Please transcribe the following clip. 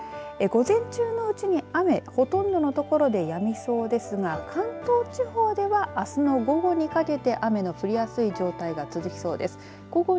午前中のうちに雨ほとんどの所でやみそうですが関東地方ではあすの午後にかけて雨の降りやすい状態が続きそうです。